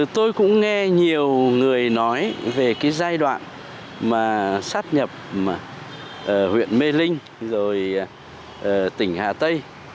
tôi cũng nghe nhiều người nói về giai đoạn xác nhập huyện mê linh tỉnh hà tây